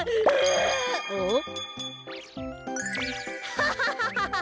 ハハハハハ！